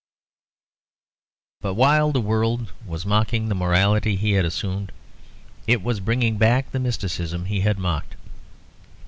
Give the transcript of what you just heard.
But while the world was mocking the morality he had assumed, it was bringing back the mysticism he had mocked.